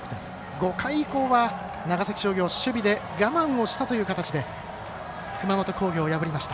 ５回以降は長崎商業守備で我慢をしたという形で熊本工業を破りました。